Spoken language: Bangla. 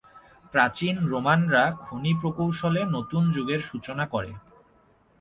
প্রাচীন রোমানরা খনি প্রকৌশলে নতুন যুগের সূচনা করে।